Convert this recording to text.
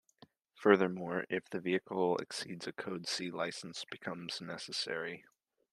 Furthermore, if the vehicle exceeds a code C license becomes necessary.